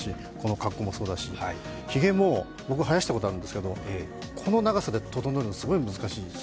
格好もそうだし、ひげも、僕生やしたことあるんですけどこの長さで整えるのはすごい難しい。